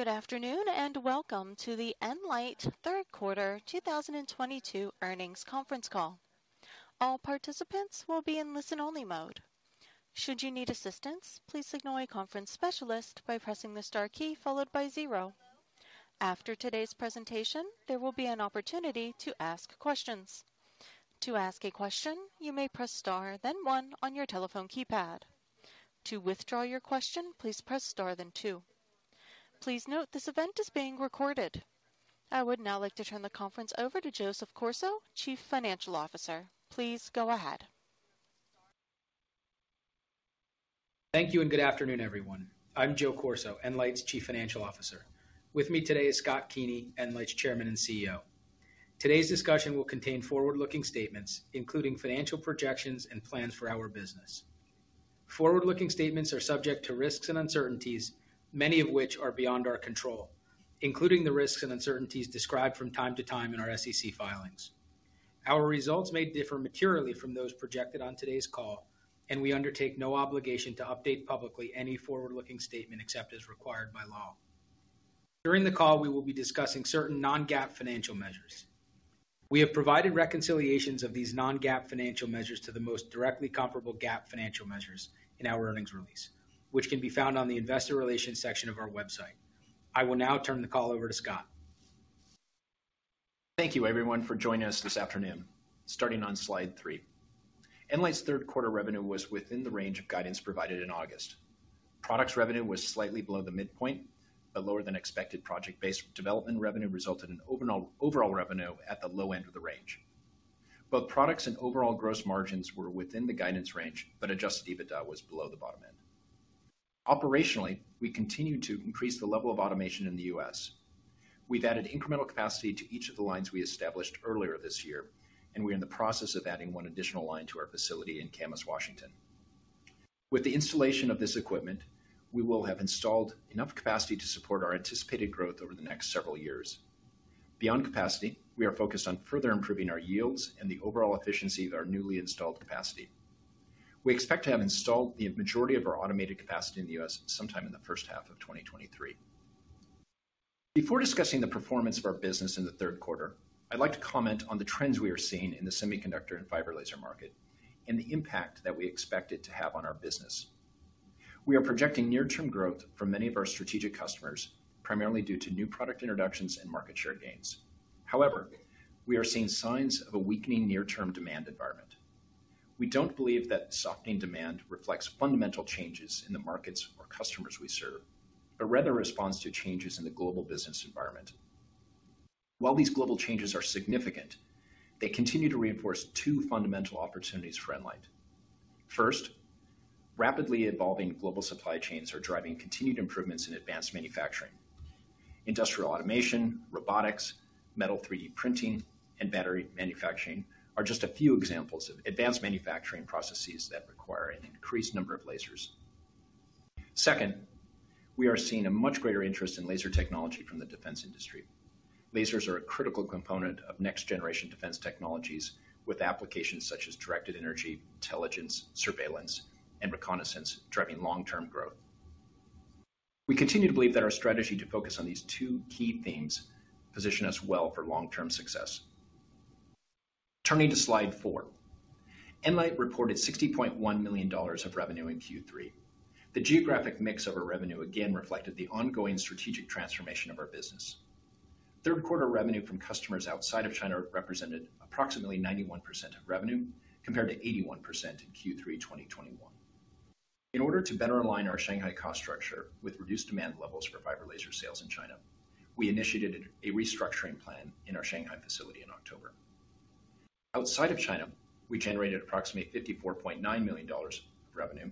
Good afternoon, and welcome to the nLIGHT third quarter 2022 earnings conference call. All participants will be in listen-only mode. Should you need assistance, please signal a conference specialist by pressing the star key followed by zero. After today's presentation, there will be an opportunity to ask questions. To ask a question, you may press star, then one on your telephone keypad. To withdraw your question, please press star then two. Please note this event is being recorded. I would now like to turn the conference over to Joseph Corso, Chief Financial Officer. Please go ahead. Thank you and good afternoon, everyone. I'm Joe Corso, nLIGHT's Chief Financial Officer. With me today is Scott Keeney, nLIGHT's Chairman and CEO. Today's discussion will contain forward-looking statements, including financial projections and plans for our business. Forward-looking statements are subject to risks and uncertainties, many of which are beyond our control, including the risks and uncertainties described from time to time in our SEC filings. Our results may differ materially from those projected on today's call, and we undertake no obligation to update publicly any forward-looking statement except as required by law. During the call, we will be discussing certain non-GAAP financial measures. We have provided reconciliations of these non-GAAP financial measures to the most directly comparable GAAP financial measures in our earnings release, which can be found on the investor relations section of our website. I will now turn the call over to Scott. Thank you everyone for joining us this afternoon. Starting on slide three. nLIGHT's third quarter revenue was within the range of guidance provided in August. Products revenue was slightly below the midpoint, but lower than expected project-based development revenue resulted in overall revenue at the low end of the range. Both products and overall gross margins were within the guidance range, but adjusted EBITDA was below the bottom end. Operationally, we continue to increase the level of automation in the U.S. We've added incremental capacity to each of the lines we established earlier this year, and we're in the process of adding one additional line to our facility in Camas, Washington. With the installation of this equipment, we will have installed enough capacity to support our anticipated growth over the next several years. Beyond capacity, we are focused on further improving our yields and the overall efficiency of our newly installed capacity. We expect to have installed the majority of our automated capacity in the U.S. sometime in the first half of 2023. Before discussing the performance of our business in the third quarter, I'd like to comment on the trends we are seeing in the semiconductor and fiber laser market and the impact that we expect it to have on our business. We are projecting near-term growth from many of our strategic customers, primarily due to new product introductions and market share gains. However, we are seeing signs of a weakening near-term demand environment. We don't believe that softening demand reflects fundamental changes in the markets or customers we serve, but rather responds to changes in the global business environment. While these global changes are significant, they continue to reinforce two fundamental opportunities for nLIGHT. First, rapidly evolving global supply chains are driving continued improvements in advanced manufacturing. Industrial automation, robotics, metal 3D printing, and battery manufacturing are just a few examples of advanced manufacturing processes that require an increased number of lasers. Second, we are seeing a much greater interest in laser technology from the defense industry. Lasers are a critical component of next-generation defense technologies with applications such as directed energy, intelligence, surveillance, and reconnaissance driving long-term growth. We continue to believe that our strategy to focus on these two key themes position us well for long-term success. Turning to slide four, nLIGHT reported $60.1 million of revenue in Q3. The geographic mix of our revenue again reflected the ongoing strategic transformation of our business. Third quarter revenue from customers outside of China represented approximately 91% of revenue, compared to 81% in Q3 2021. In order to better align our Shanghai cost structure with reduced demand levels for fiber laser sales in China, we initiated a restructuring plan in our Shanghai facility in October. Outside of China, we generated approximately $54.9 million revenue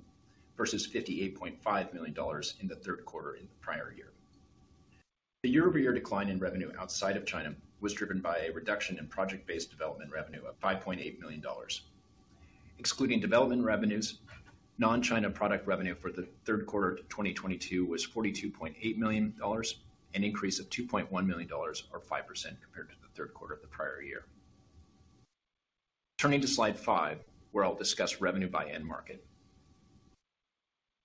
versus $58.5 million in the third quarter in the prior year. The year-over-year decline in revenue outside of China was driven by a reduction in project-based development revenue of $5.8 million. Excluding development revenues, non-China product revenue for the third quarter of 2022 was $42.8 million, an increase of $2.1 million or 5% compared to the third quarter of the prior year. Turning to slide five, where I'll discuss revenue by end market.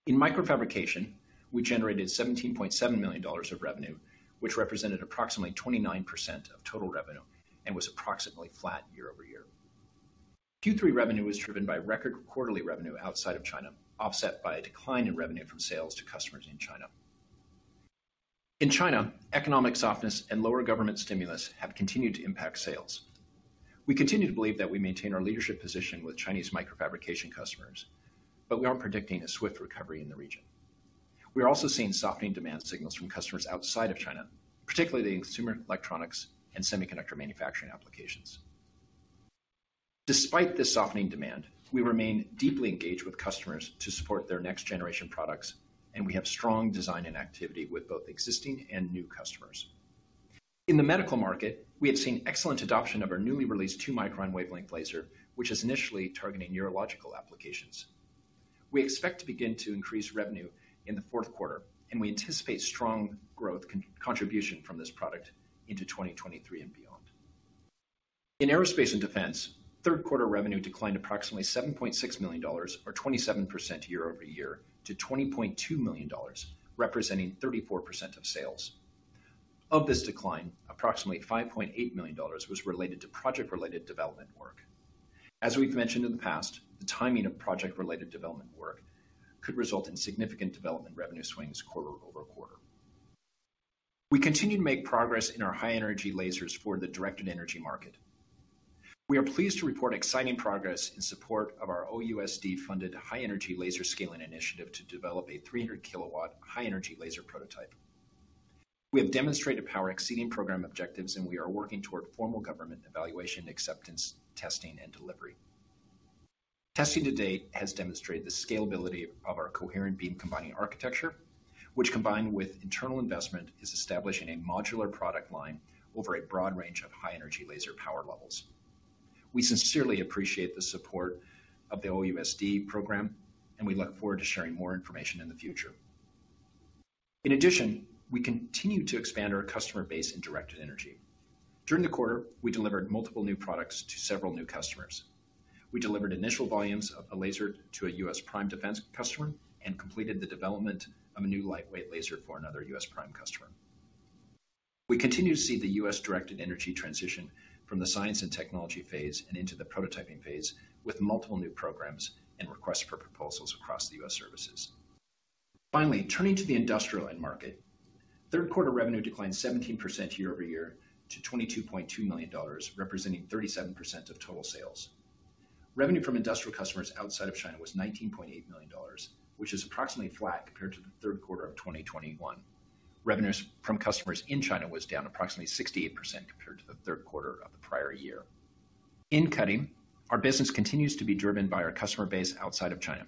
In microfabrication, we generated $17.7 million of revenue, which represented approximately 29% of total revenue and was approximately flat year-over-year. Q3 revenue was driven by record quarterly revenue outside of China, offset by a decline in revenue from sales to customers in China. In China, economic softness and lower government stimulus have continued to impact sales. We continue to believe that we maintain our leadership position with Chinese microfabrication customers, but we aren't predicting a swift recovery in the region. We are also seeing softening demand signals from customers outside of China, particularly the consumer electronics and semiconductor manufacturing applications. Despite this softening demand, we remain deeply engaged with customers to support their next-generation products, and we have strong design and activity with both existing and new customers. In the medical market, we have seen excellent adoption of our newly released 2-micron wavelength laser, which is initially targeting neurological applications. We expect to begin to increase revenue in the fourth quarter, and we anticipate strong growth contribution from this product into 2023 and beyond. In aerospace and defense, third quarter revenue declined approximately $7.6 million or 27% year-over-year to $20.2 million, representing 34% of sales. Of this decline, approximately $5.8 million was related to project-related development work. As we've mentioned in the past, the timing of project-related development work could result in significant development revenue swings quarter-over-quarter. We continue to make progress in our high-energy lasers for the directed energy market. We are pleased to report exciting progress in support of our OUSD-funded high-energy laser scaling initiative to develop a 300-kilowatt high-energy laser prototype. We have demonstrated power exceeding program objectives, and we are working toward formal government evaluation, acceptance, testing, and delivery. Testing to date has demonstrated the scalability of our coherent beam combining architecture, which, combined with internal investment, is establishing a modular product line over a broad range of high-energy laser power levels. We sincerely appreciate the support of the OUSD program, and we look forward to sharing more information in the future. In addition, we continue to expand our customer base in directed energy. During the quarter, we delivered multiple new products to several new customers. We delivered initial volumes of a laser to a U.S. prime defense customer and completed the development of a new lightweight laser for another U.S. prime customer. We continue to see the U.S. directed energy transition from the science and technology phase and into the prototyping phase with multiple new programs and requests for proposals across the U.S. services. Finally, turning to the industrial end market. Third quarter revenue declined 17% year-over-year to $22.2 million, representing 37% of total sales. Revenue from industrial customers outside of China was $19.8 million, which is approximately flat compared to the third quarter of 2021. Revenues from customers in China was down approximately 68% compared to the third quarter of the prior year. In cutting, our business continues to be driven by our customer base outside of China.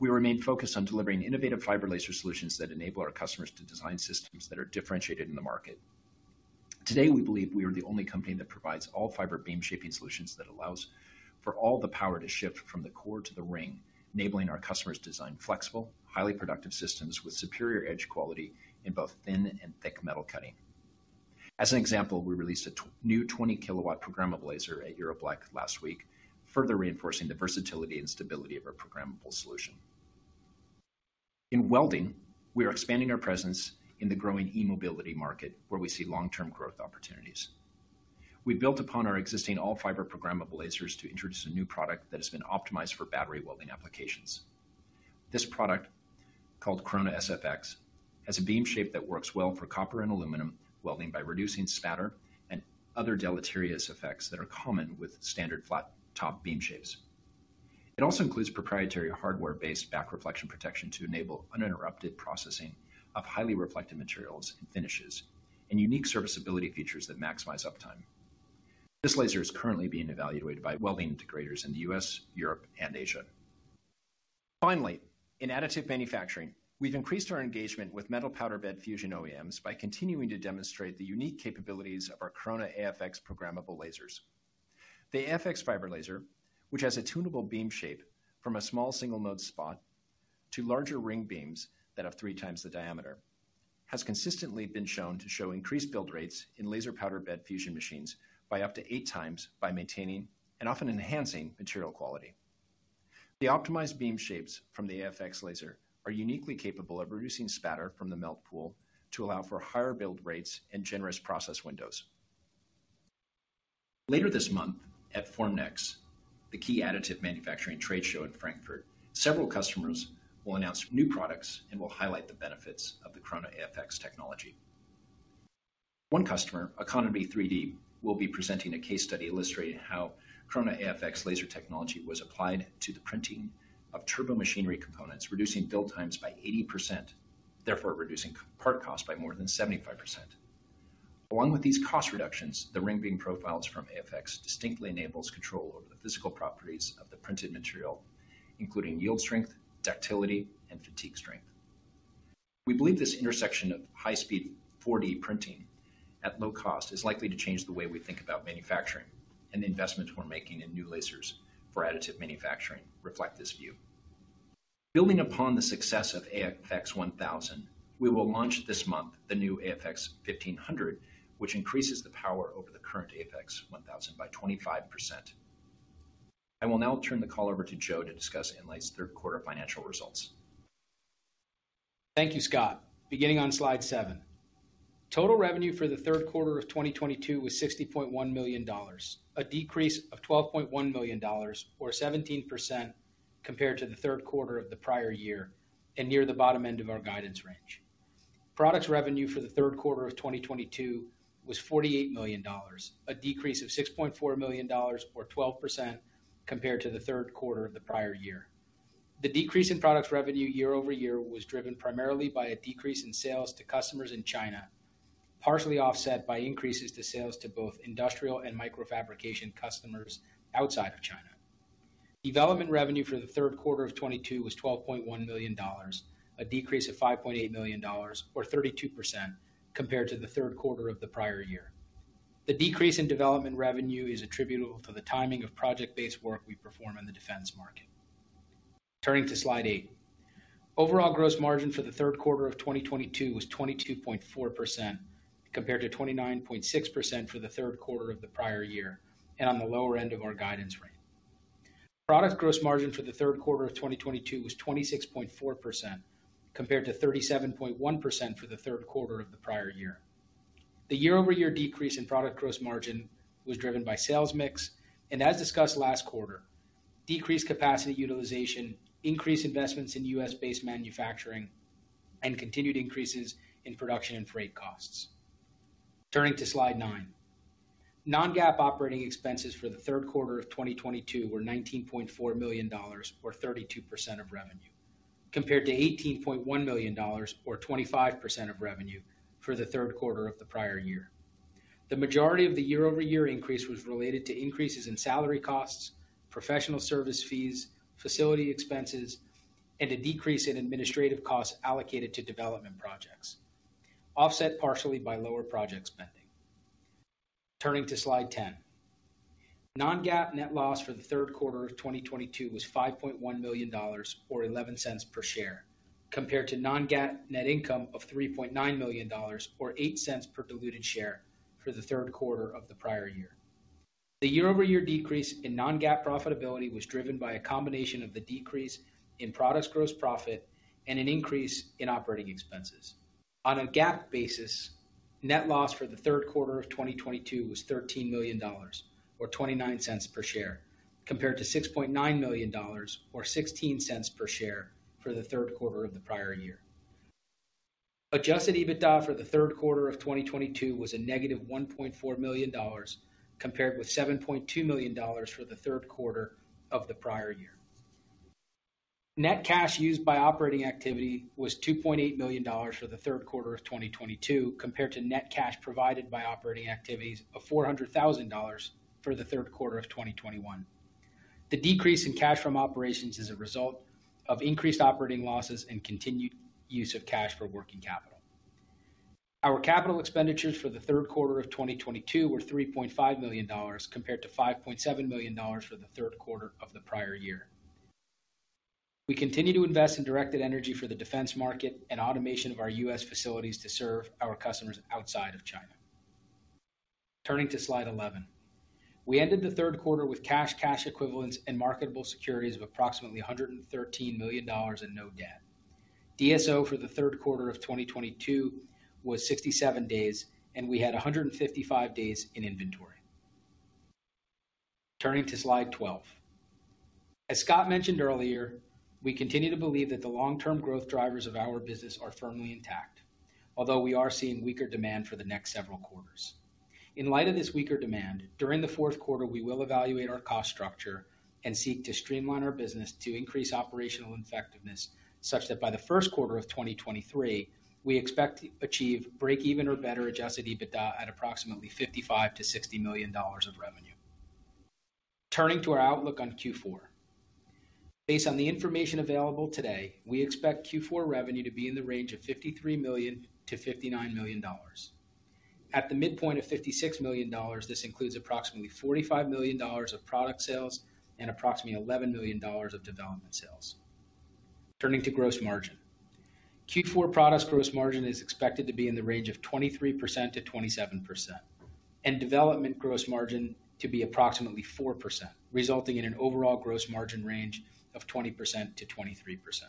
We remain focused on delivering innovative fiber laser solutions that enable our customers to design systems that are differentiated in the market. Today, we believe we are the only company that provides all fiber beam shaping solutions that allows for all the power to shift from the core to the ring, enabling our customers design flexible, highly productive systems with superior edge quality in both thin and thick metal cutting. As an example, we released a new 20-kilowatt programmable laser at EuroBLECH last week, further reinforcing the versatility and stability of our programmable solution. In welding, we are expanding our presence in the growing e-mobility market where we see long-term growth opportunities. We built upon our existing all-fiber programmable lasers to introduce a new product that has been optimized for battery welding applications. This product, called Corona CFX, has a beam shape that works well for copper and aluminum welding by reducing spatter and other deleterious effects that are common with standard flat top beam shapes. It also includes proprietary hardware-based back reflection protection to enable uninterrupted processing of highly reflective materials and finishes and unique serviceability features that maximize uptime. This laser is currently being evaluated by welding integrators in the U.S., Europe, and Asia. Finally, in additive manufacturing, we've increased our engagement with Metal Powder Bed Fusion OEMs by continuing to demonstrate the unique capabilities of our Corona AFX programmable lasers. The AFX fiber laser, which has a tunable beam shape from a small single mode spot to larger ring beams that have three times the diameter, has consistently been shown to show increased build rates in Laser Powder Bed Fusion machines by up to eight times by maintaining and often enhancing material quality. The optimized beam shapes from the AFX laser are uniquely capable of reducing spatter from the melt pool to allow for higher build rates and generous process windows. Later this month at Formnext, the key additive manufacturing trade show in Frankfurt, several customers will announce new products and will highlight the benefits of the Corona AFX technology. One customer, Aconity3D, will be presenting a case study illustrating how Corona AFX laser technology was applied to the printing of turbomachinery components, reducing build times by 80%, therefore reducing cost per part by more than 75%. Along with these cost reductions, the ring beam profiles from AFX distinctly enables control over the physical properties of the printed material, including yield strength, ductility, and fatigue strength. We believe this intersection of high-speed 3D printing at low cost is likely to change the way we think about manufacturing, and the investments we're making in new lasers for additive manufacturing reflect this view. Building upon the success of AFX 1000, we will launch this month the new AFX 1500, which increases the power over the current AFX 1000 by 25%. I will now turn the call over to Joe to discuss nLIGHT's third quarter financial results. Thank you, Scott. Beginning on slide seven. Total revenue for the third quarter of 2022 was $60.1 million, a decrease of $12.1 million or 17% compared to the third quarter of the prior year, and near the bottom end of our guidance range. Products revenue for the third quarter of 2022 was $48 million, a decrease of $6.4 million or 12% compared to the third quarter of the prior year. The decrease in products revenue year-over-year was driven primarily by a decrease in sales to customers in China, partially offset by increases to sales to both industrial and microfabrication customers outside of China. Development revenue for the third quarter of 2022 was $12.1 million, a decrease of $5.8 million or 32% compared to the third quarter of the prior year. The decrease in development revenue is attributable to the timing of project-based work we perform in the defense market. Turning to Slide 8. Overall gross margin for the third quarter of 2022 was 22.4% compared to 29.6% for the third quarter of the prior year, and on the lower end of our guidance range. Product gross margin for the third quarter of 2022 was 26.4% compared to 37.1% for the third quarter of the prior year. The year-over-year decrease in product gross margin was driven by sales mix and, as discussed last quarter, decreased capacity utilization, increased investments in U.S.-based manufacturing, and continued increases in production and freight costs. Turning to slide 9. Non-GAAP operating expenses for the third quarter of 2022 were $19.4 million or 32% of revenue, compared to $18.1 million or 25% of revenue for the third quarter of the prior year. The majority of the year-over-year increase was related to increases in salary costs, professional service fees, facility expenses, and a decrease in administrative costs allocated to development projects, offset partially by lower project spending. Turning to slide 10. Non-GAAP net loss for the third quarter of 2022 was $5.1 million or $0.11 per share, compared to non-GAAP net income of $3.9 million or $0.08 per diluted share for the third quarter of the prior year. The year-over-year decrease in non-GAAP profitability was driven by a combination of the decrease in products gross profit and an increase in operating expenses. On a GAAP basis, net loss for the third quarter of 2022 was $13 million or $0.29 per share, compared to $6.9 million or $0.16 per share for the third quarter of the prior year. Adjusted EBITDA for the third quarter of 2022 was a negative $1.4 million compared with $7.2 million for the third quarter of the prior year. Net cash used by operating activity was $2.8 million for the third quarter of 2022 compared to net cash provided by operating activities of $400,000 for the third quarter of 2021. The decrease in cash from operations is a result of increased operating losses and continued use of cash for working capital. Our capital expenditures for the third quarter of 2022 were $3.5 million compared to $5.7 million for the third quarter of the prior year. We continue to invest in directed energy for the defense market and automation of our U.S. facilities to serve our customers outside of China. Turning to slide 11. We ended the third quarter with cash equivalents, and marketable securities of approximately $113 million and no debt. DSO for the third quarter of 2022 was 67 days, and we had 155 days in inventory. Turning to slide 12. As Scott mentioned earlier, we continue to believe that the long-term growth drivers of our business are firmly intact. Although we are seeing weaker demand for the next several quarters. In light of this weaker demand, during the fourth quarter, we will evaluate our cost structure and seek to streamline our business to increase operational effectiveness, such that by the first quarter of 2023, we expect to achieve break-even or better adjusted EBITDA at approximately $55-$60 million of revenue. Turning to our outlook on Q4. Based on the information available today, we expect Q4 revenue to be in the range of $53-$59 million. At the midpoint of $56 million, this includes approximately $45 million of product sales and approximately $11 million of development sales. Turning to gross margin. Q4 products gross margin is expected to be in the range of 23%-27%, and development gross margin to be approximately 4%, resulting in an overall gross margin range of 20%-23%.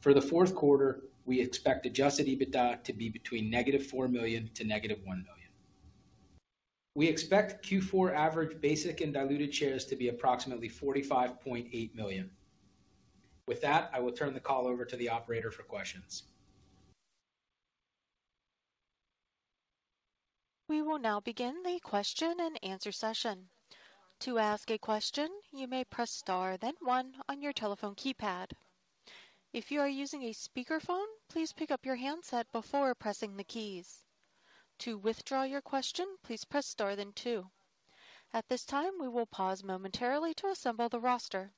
For the fourth quarter, we expect adjusted EBITDA to be between -$4 million to -$1 million. We expect Q4 average basic and diluted shares to be approximately 45.8 million. With that, I will turn the call over to the operator for questions. We will now begin the question and answer session. To ask a question, you may press star then one on your telephone keypad. If you are using a speakerphone, please pick up your handset before pressing the keys. To withdraw your question, please press star then two. At this time, we will pause momentarily to assemble the roster.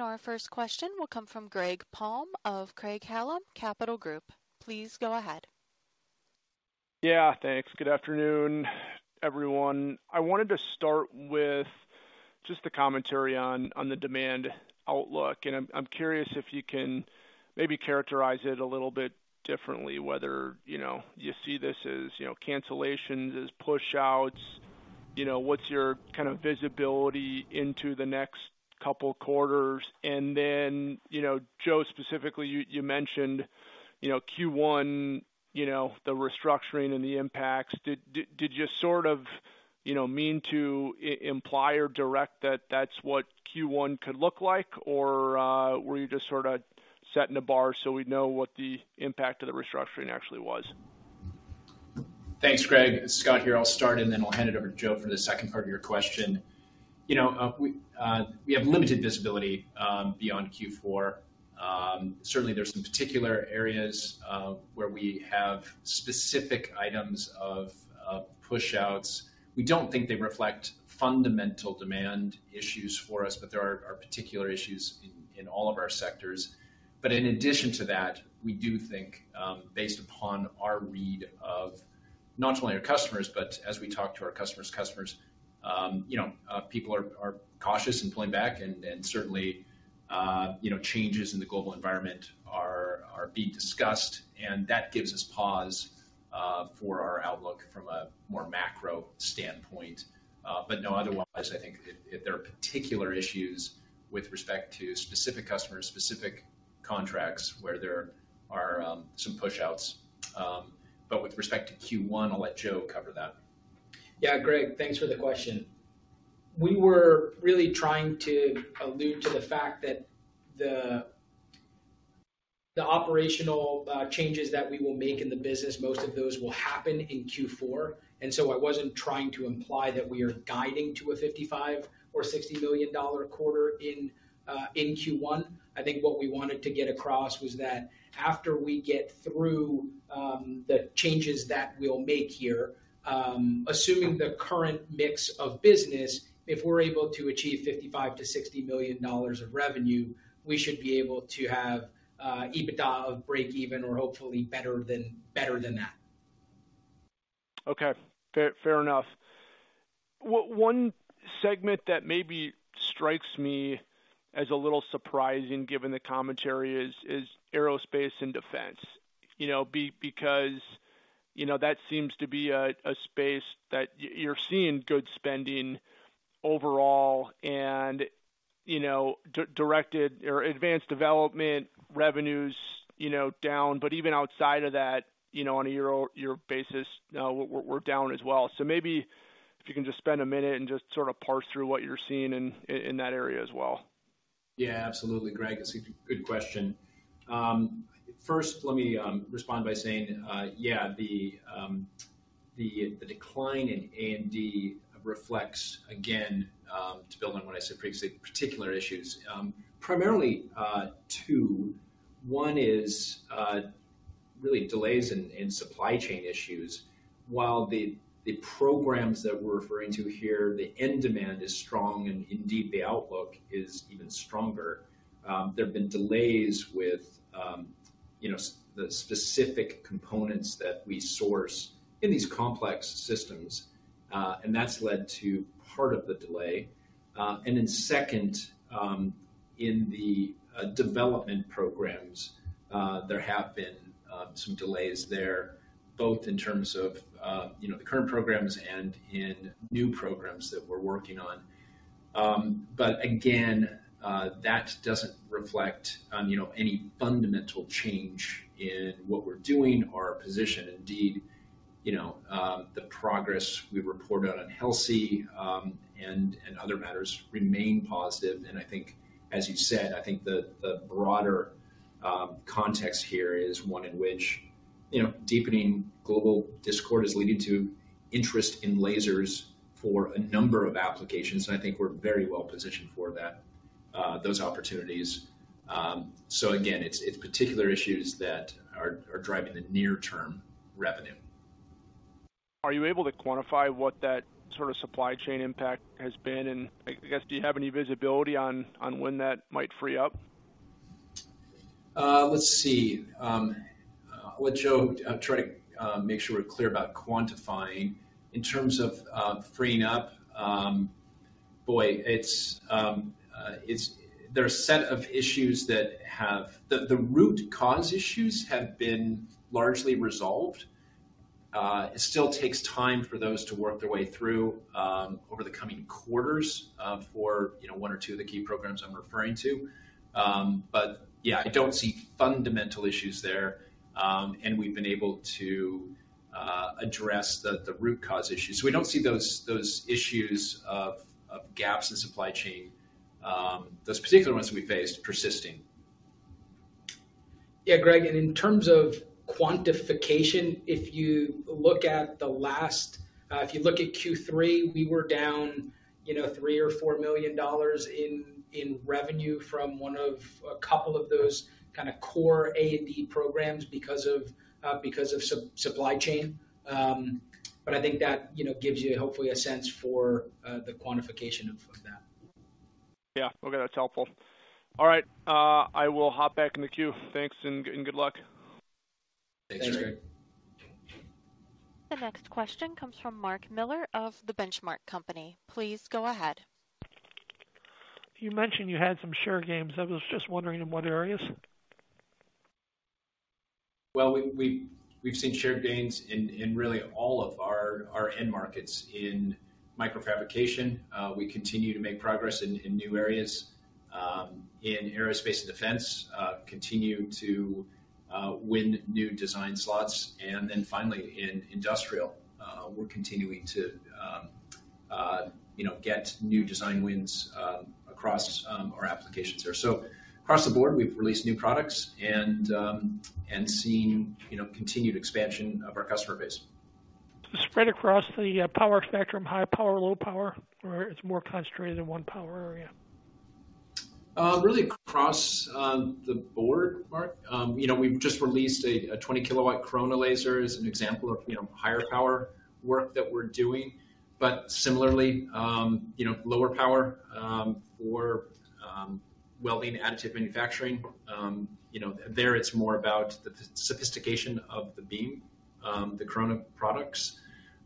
Our first question will come from Greg Palm of Craig-Hallum Capital Group. Please go ahead. Yeah, thanks. Good afternoon, everyone. I wanted to start with just the commentary on the demand outlook, and I'm curious if you can maybe characterize it a little bit differently, whether, you know, you see this as, you know, cancellations, as push-outs. You know, what's your kind of visibility into the next couple quarters? You know, Joe, specifically, you mentioned, you know, Q1, you know, the restructuring and the impacts. Did you sort of, you know, mean to imply or direct that that's what Q1 could look like or were you just sorta setting a bar so we'd know what the impact of the restructuring actually was? Thanks, Greg. Scott here. I'll start, and then I'll hand it over to Joe for the second part of your question. You know, we have limited visibility beyond Q4. Certainly there's some particular areas where we have specific items of push-outs. We don't think they reflect fundamental demand issues for us, but there are particular issues in all of our sectors. In addition to that, we do think based upon our read of, not only our customers, but as we talk to our customer's customers, you know, people are cautious and pulling back and certainly, you know, changes in the global environment are being discussed. That gives us pause for our outlook from a more macro standpoint. No, otherwise I think if there are particular issues with respect to specific customers, specific contracts where there are some push-outs. With respect to Q1, I'll let Joe cover that. Yeah, Greg, thanks for the question. We were really trying to allude to the fact that the operational changes that we will make in the business, most of those will happen in Q4. I wasn't trying to imply that we are guiding to a $55 or $60 million quarter in Q1. I think what we wanted to get across was that after we get through the changes that we'll make here, assuming the current mix of business, if we're able to achieve $55-$60 million of revenue, we should be able to have EBITDA of breakeven or hopefully better than that. Okay. Fair enough. One segment that maybe strikes me as a little surprising given the commentary is aerospace and defense. You know, because, you know, that seems to be a space that you're seeing good spending overall and, you know, directed or advanced development revenues, you know, down. Even outside of that, you know, on a year-over-year basis, we're down as well. Maybe if you can just spend a minute and just sort of parse through what you're seeing in that area as well. Yeah, absolutely. Greg, it's a good question. First, let me respond by saying, yeah, the decline in A&D reflects, again, to build on what I said previously, particular issues, primarily two. One is really delays in supply chain issues. While the programs that we're referring to here, the end demand is strong, and indeed the outlook is even stronger, there have been delays with, you know, the specific components that we source in these complex systems, and that's led to part of the delay. And then second, in the development programs, there have been some delays there, both in terms of, you know, the current programs and in new programs that we're working on. Again, that doesn't reflect, you know, any fundamental change in what we're doing or our position. Indeed, you know, the progress we've reported out on HELSI and other matters remain positive. I think, as you said, I think the broader context here is one in which, you know, deepening global discord is leading to interest in lasers for a number of applications. I think we're very well positioned for that, those opportunities. So again, it's particular issues that are driving the near term revenue. Are you able to quantify what that sort of supply chain impact has been? I guess, do you have any visibility on when that might free up? Let's see. I'll let Joe try to make sure we're clear about quantifying. In terms of freeing up, there are a set of issues. The root cause issues have been largely resolved. It still takes time for those to work their way through over the coming quarters for you know one or two of the key programs I'm referring to. Yeah, I don't see fundamental issues there. We've been able to address the root cause issues. We don't see those issues of gaps in supply chain, those particular ones we faced persisting. Yeah, Greg, in terms of quantification, if you look at Q3, we were down, you know, $3-$4 million in revenue from one of a couple of those kinda core A&D programs because of supply chain. I think that, you know, gives you hopefully a sense for the quantification of that. Yeah. Okay. That's helpful. All right. I will hop back in the queue. Thanks and good luck. Thanks, Greg. Thanks. The next question comes from Mark Miller of The Benchmark Company. Please go ahead. You mentioned you had some share gains. I was just wondering in what areas? We've seen share gains in really all of our end markets. In microfabrication, we continue to make progress in new areas. In aerospace and defense, we continue to win new design slots. In industrial, we're continuing to you know get new design wins across our applications there. Across the board, we've released new products and seen you know continued expansion of our customer base. Spread across the power spectrum, high power, low power? Or it's more concentrated in one power area? Really across the board, Mark. You know, we've just released a 20-kilowatt Corona laser as an example of, you know, higher power work that we're doing. Similarly, you know, lower power for welding additive manufacturing. You know, there it's more about the sophistication of the beam, the Corona products.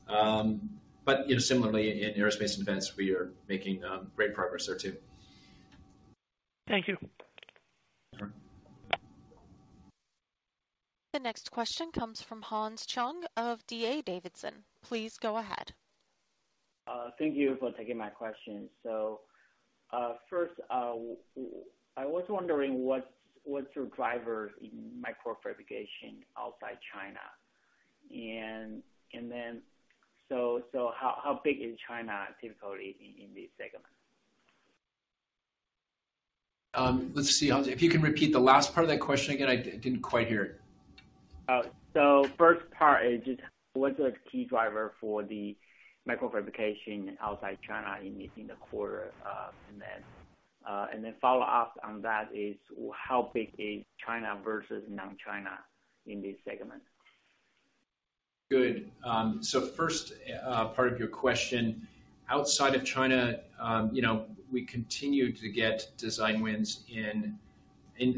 You know, similarly in aerospace and defense, we are making great progress there too. Thank you. Sure. The next question comes from Hans Chung of D.A. Davidson. Please go ahead. Thank you for taking my question. First, I was wondering what's your drivers in microfabrication outside China? How big is China typically in this segment? Let's see, Hans. If you can repeat the last part of that question again, I didn't quite hear it. First part is just what's the key driver for the microfabrication outside China in the quarter, and then follow up on that is how big is China versus non-China in this segment? Good. First, part of your question, outside of China, you know, we continue to get design wins in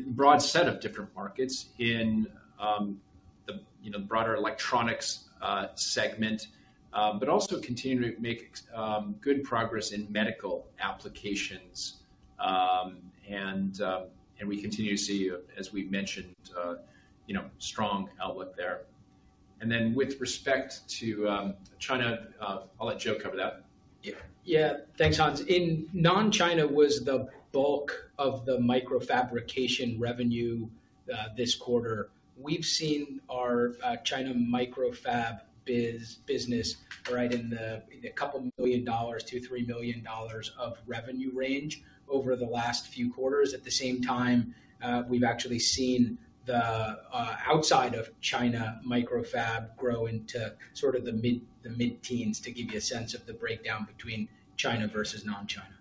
broad set of different markets in the broader electronics segment, but also continue to make good progress in medical applications. We continue to see, as we've mentioned, you know, strong outlook there. With respect to China, I'll let Joe cover that. Yeah. Thanks, Hans. In non-China was the bulk of the microfabrication revenue this quarter. We've seen our China micro fab business right in the $2 million-$3 million of revenue range over the last few quarters. At the same time, we've actually seen the outside of China micro fab grow into sort of the mid-teens, to give you a sense of the breakdown between China versus non-China.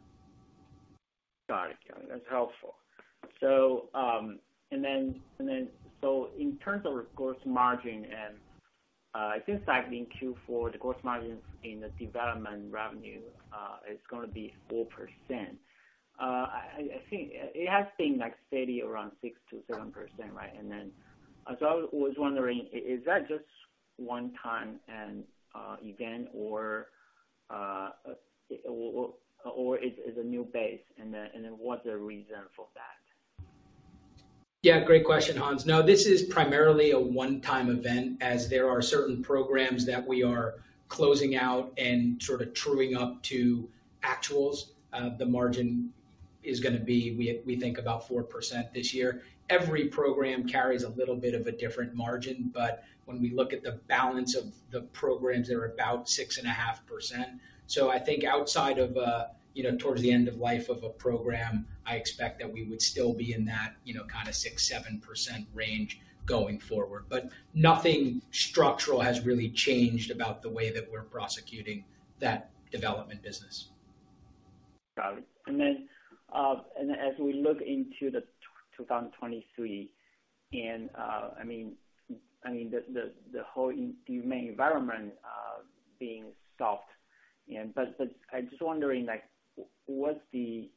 Got it. That's helpful. In terms of gross margin, it seems like in Q4, the gross margins in the development revenue is gonna be 4%. I think it has been, like, steady around 6%-7%, right? I was wondering, is that just one-time event or is it a new base? What's the reason for that? Yeah, great question, Hans. No, this is primarily a one-time event as there are certain programs that we are closing out and sort of truing up to actuals. The margin is gonna be we think about 4% this year. Every program carries a little bit of a different margin, but when we look at the balance of the programs, they're about 6.5%. I think outside of, you know, towards the end of life of a program, I expect that we would still be in that, you know, kind of 6%-7% range going forward. Nothing structural has really changed about the way that we're prosecuting that development business. Got it. As we look into 2023 and I mean the whole end demand environment being soft, I'm just wondering, like, what's the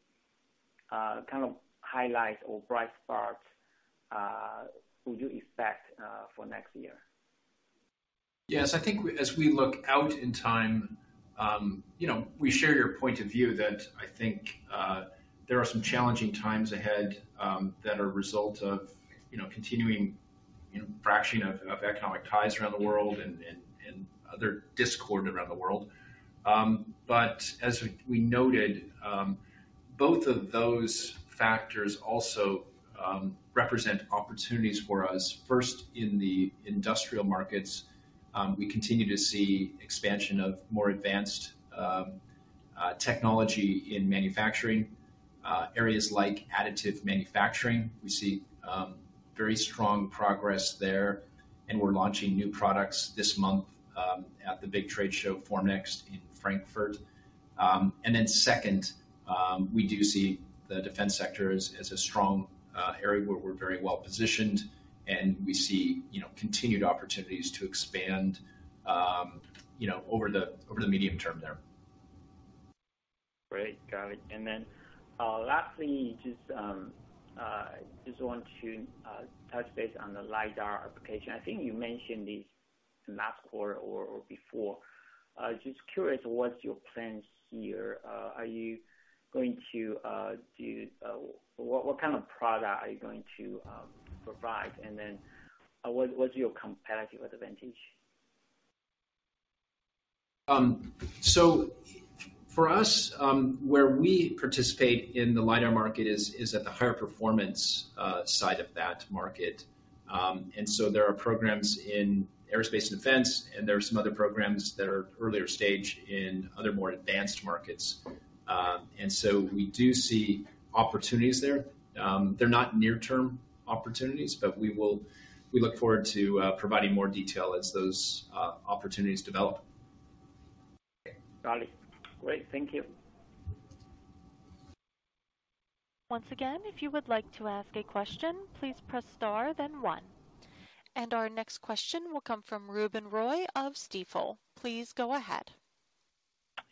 kind of highlights or bright spots would you expect for next year? Yes. I think as we look out in time, you know, we share your point of view that I think, there are some challenging times ahead, that are a result of, you know, continuing friction in economic ties around the world and other discord around the world. As we noted, both of those factors also represent opportunities for us. First, in the industrial markets, we continue to see expansion of more advanced technology in manufacturing areas like additive manufacturing. We see very strong progress there, and we're launching new products this month at the big trade show Formnext in Frankfurt. Second, we do see the defense sector as a strong area where we're very well positioned, and we see, you know, continued opportunities to expand, you know, over the medium term there. Great. Got it. Lastly, just want to touch base on the lidar application. I think you mentioned this last quarter or before. Just curious what's your plans here. What kind of product are you going to provide? What's your competitive advantage? For us, where we participate in the lidar market is at the higher performance side of that market. There are programs in aerospace and defense, and there are some other programs that are earlier stage in other more advanced markets. We do see opportunities there. They're not near-term opportunities, but we will look forward to providing more detail as those opportunities develop. Got it. Great. Thank you. Once again, if you would like to ask a question, please press star then one. Our next question will come from Ruben Roy of Stifel. Please go ahead.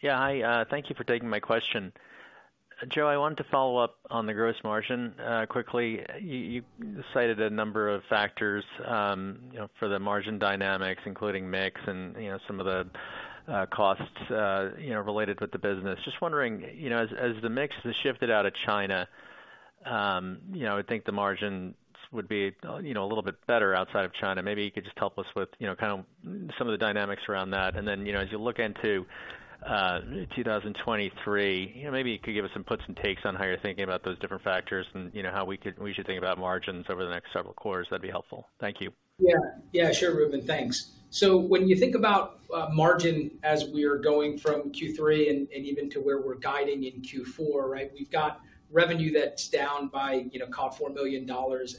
Yeah. Hi, thank you for taking my question. Joe, I wanted to follow up on the gross margin quickly. You cited a number of factors, you know, for the margin dynamics, including mix and, you know, some of the costs, you know, related with the business. Just wondering, you know, as the mix has shifted out of China, you know, I would think the margins would be, you know, a little bit better outside of China. Maybe you could just help us with, you know, kind of some of the dynamics around that. Then, you know, as you look into 2023, you know, maybe you could give us some puts and takes on how you're thinking about those different factors and, you know, how we should think about margins over the next several quarters. That'd be helpful. Thank you. Yeah. Sure, Ruben. Thanks. When you think about margin as we are going from Q3 and even to where we're guiding in Q4, right? We've got revenue that's down by, you know, call it $4 million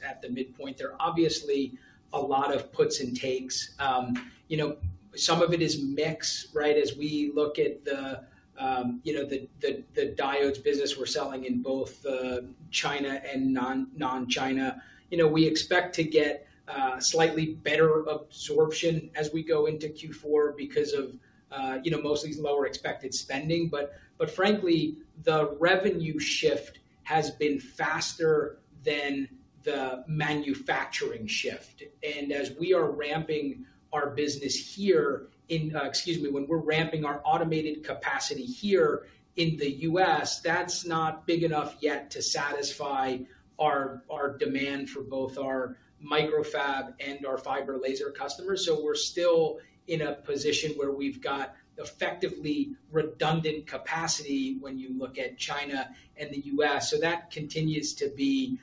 at the midpoint. There are obviously a lot of puts and takes. You know, some of it is mix, right? As we look at the you know, the diodes business we're selling in both China and non-China. You know, we expect to get slightly better absorption as we go into Q4 because of you know, mostly lower expected spending. Frankly, the revenue shift has been faster than the manufacturing shift. As we are ramping our business here in. Excuse me. When we're ramping our automated capacity here in the U.S., that's not big enough yet to satisfy our demand for both our micro fab and our fiber laser customers. We're still in a position where we've got effectively redundant capacity when you look at China and the U.S. That continues to be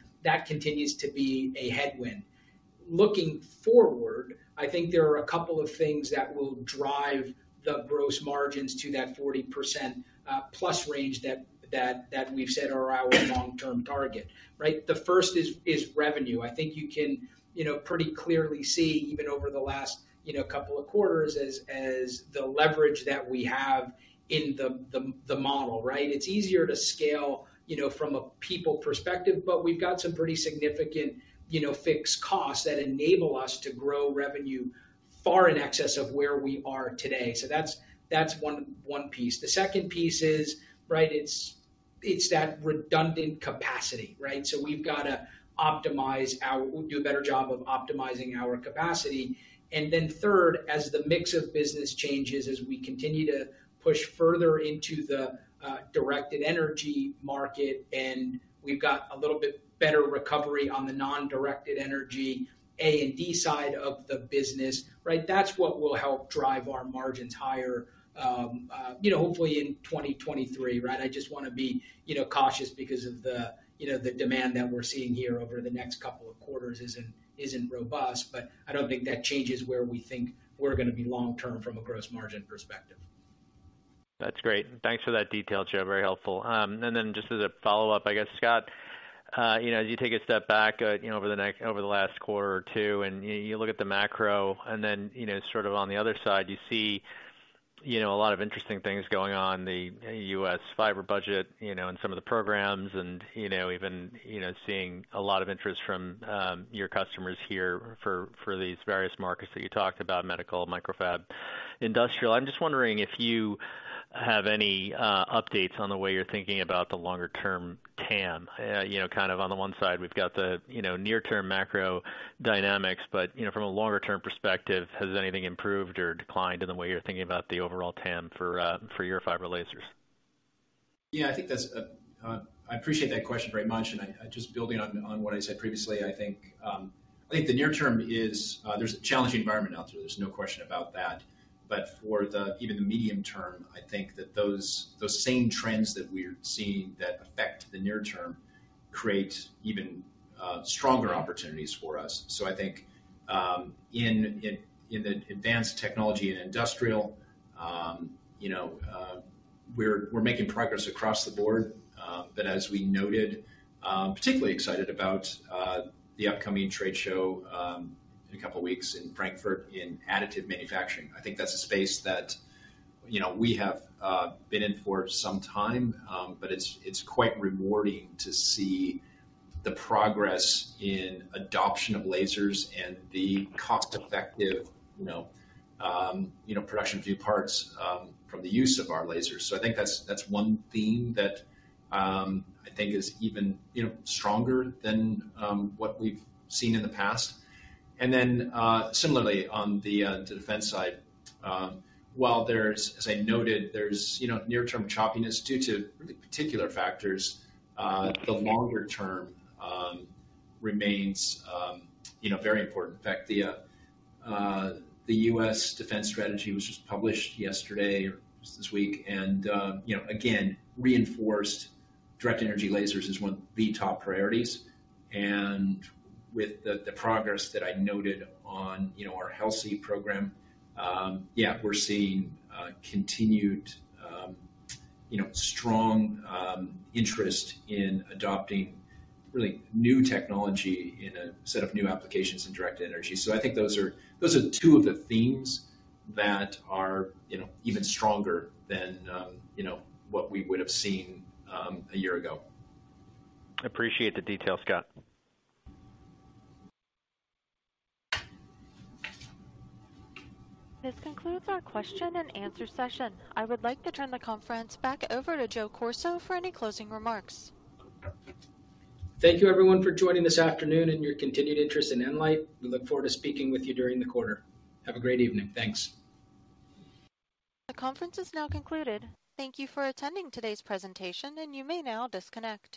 a headwind. Looking forward, I think there are a couple of things that will drive the gross margins to that 40% plus range that we've said are our long-term target. Right? The first is revenue. I think you can, you know, pretty clearly see even over the last, you know, couple of quarters as the leverage that we have in the model, right? It's easier to scale, you know, from a people perspective, but we've got some pretty significant, you know, fixed costs that enable us to grow revenue far in excess of where we are today. That's one piece. The second piece is, right, it's that redundant capacity, right? We've got to do a better job of optimizing our capacity. Then third, as the mix of business changes, as we continue to push further into the directed energy market, and we've got a little bit better recovery on the non-directed energy A&D side of the business, right? That's what will help drive our margins higher, you know, hopefully in 2023, right? I just wanna be, you know, cautious because of the, you know, the demand that we're seeing here over the next couple of quarters isn't robust. I don't think that changes where we think we're gonna be long term from a gross margin perspective. That's great. Thanks for that detail, Joe. Very helpful. Just as a follow-up, I guess, Scott, you know, as you take a step back, you know, over the last quarter or two, and you look at the macro, and then, you know, sort of on the other side, you see, you know, a lot of interesting things going on, the U.S. fiber budget, you know, and some of the programs and, you know, even, you know, seeing a lot of interest from, your customers here for these various markets that you talked about, medical, micro fab, industrial. I'm just wondering if you have any updates on the way you're thinking about the longer term TAM. You know, kind of on the one side, we've got the, you know, near term macro dynamics. You know, from a longer term perspective, has anything improved or declined in the way you're thinking about the overall TAM for your fiber lasers? Yeah, I think that's. I appreciate that question very much. I just building on what I said previously, I think the near term is, there's a challenging environment out there. There's no question about that. For even the medium term, I think that those same trends that we're seeing that affect the near term create even stronger opportunities for us. I think in the advanced technology and industrial, you know, we're making progress across the board. But as we noted, particularly excited about the upcoming trade show in a couple of weeks in Frankfurt in additive manufacturing. I think that's a space that, you know, we have been in for some time, but it's quite rewarding to see the progress in adoption of lasers and the cost-effective, you know, production few parts from the use of our lasers. I think that's one theme that I think is even, you know, stronger than what we've seen in the past. Then, similarly on the defense side, while there's, as I noted, near term choppiness due to the particular factors, the longer term remains, you know, very important. In fact, the U.S. defense strategy, which was published yesterday or this week and, you know, again reinforced directed energy lasers is one of the top priorities. With the progress that I noted on, you know, our HELSI program, yeah, we're seeing continued, you know, strong interest in adopting really new technology in a set of new applications in directed energy. I think those are two of the themes that are, you know, even stronger than, you know, what we would have seen a year ago. Appreciate the detail, Scott. This concludes our question and answer session. I would like to turn the conference back over to Joe Corso for any closing remarks. Thank you everyone for joining this afternoon and your continued interest in nLIGHT. We look forward to speaking with you during the quarter. Have a great evening. Thanks. The conference is now concluded. Thank you for attending today's presentation, and you may now disconnect.